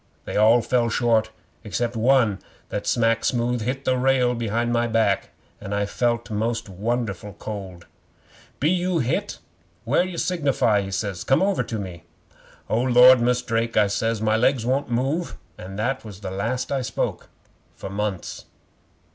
They all fell short except one that smack smooth hit the rail behind my back, an' I felt most won'erful cold. '"Be you hit anywhere to signify?" he says. "Come over to me." '"O Lord, Mus' Drake," I says, "my legs won't move," and that was the last I spoke for months.